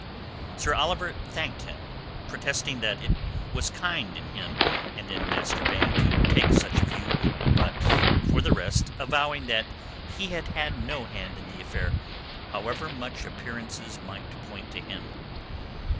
Sir Oliver thanked him, protesting that it was kind in him and in Master Baine to take such a view, but for the rest avowing that he had had no hand in the affair, however much appearances might point to him.